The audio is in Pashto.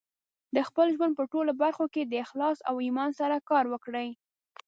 د خپل ژوند په ټولو برخو کې د اخلاص او ایمان سره کار وکړئ.